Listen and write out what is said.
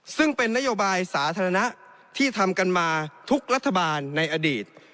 ซึ่งเป็นนโยบายสาธารณะที่ทำกันมาทุกรัฐบาลในอดีต